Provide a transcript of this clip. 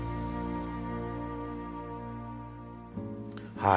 はい。